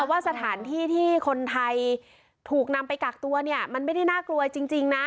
ว่าสถานที่ที่คนไทยถูกนำไปกักตัวเนี่ยมันไม่ได้น่ากลัวจริงนะ